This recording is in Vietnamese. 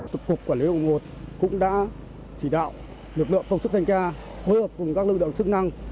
tục cục quản lý hội một cũng đã chỉ đạo lực lượng công chức danh ca hối hợp cùng các lực lượng chức năng